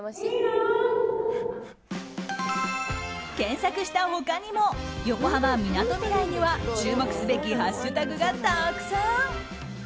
検索した他にも横浜・みなとみらいには注目すべきハッシュタグがたくさん。